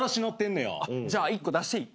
じゃあ１個出していい？